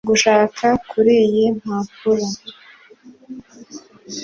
Gushaka kuriyi mpapuro